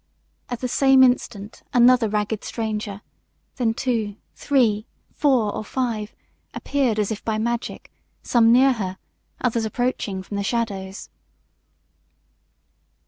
At the same instant another ragged stranger, then two, three, four, or five, appeared as if by magic, some near her, others approaching from the shadows.